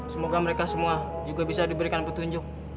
semoga mereka semua juga bisa diberikan petunjuk